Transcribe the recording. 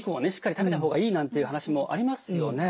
食べた方がいいなんていう話もありますよね。